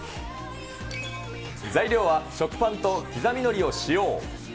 材料は食パンと刻みのりを使用。